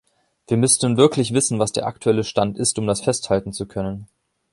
Wir müssten wirklich wissen, was der aktuelle Stand ist, um das festhalten zu können.